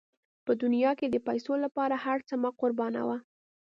په دنیا کې د پیسو لپاره هر څه مه قربانوه.